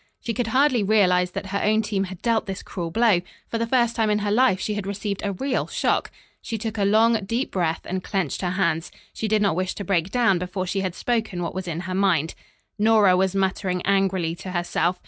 She could hardly realize that her own team had dealt this cruel blow. For the first time in her life she had received a real shock. She took a long deep breath and clenched her hands. She did not wish to break down before she had spoken what was in her mind. Nora was muttering angrily to herself.